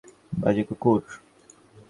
বাজে কুকুর, ওর সাথে কথা বলবে না!